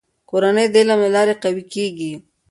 کورنۍ د علم له لارې قوي کېږي.